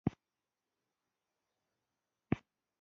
د بانکي معاملاتو تاریخچه پیرودونکو ته په واک کې ورکول کیږي.